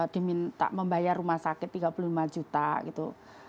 diminta membayar rumah sakit tiga puluh lima juta gitu